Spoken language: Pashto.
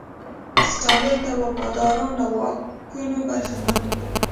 ستالین ته وفاداران له واکونو برخمن وو.